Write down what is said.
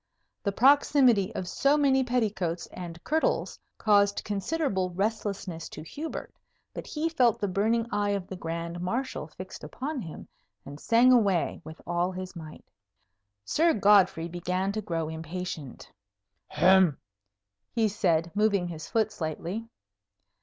The proximity of so many petticoats and kirtles caused considerable restlessness to Hubert; but he felt the burning eye of the Grand Marshal fixed upon him, and sang away with all his might. Sir Godfrey began to grow impatient. "Hem!" he said, moving his foot slightly.